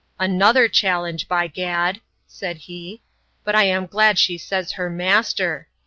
Another challenge, by gad! said he; but I am glad she says her master!